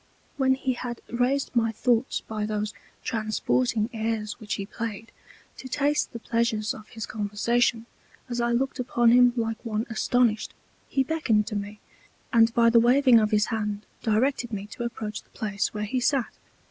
When he had raised my Thoughts by those transporting Airs which he played, to taste the Pleasures of his Conversation, as I looked upon him like one astonished, he beckoned to me, and by the waving of his Hand directed me to approach the Place where he sat.